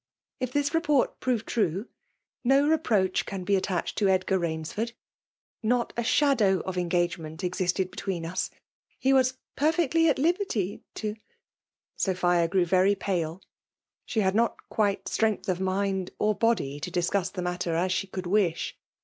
If this report prove take, no reproach can be attached to Edgar Baim . Md. Not a shadow of engagement exiatld between us. He was perfectly at lib^ty to "' Sophia grew very pale; — ^she'had not quite fltveng^ of mind or body to discuss tb0 Viatter 9^\^ cdtild' wish.